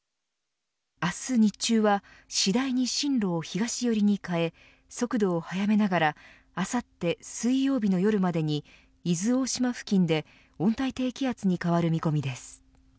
明日日中は次第に進路を東寄りに変え速度を速めながらあさって水曜日の夜までに伊豆大島付近で温帯低気圧に変わる見込みです。